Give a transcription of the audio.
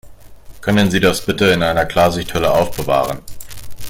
Können Sie das bitte in einer Klarsichthülle aufbewahren?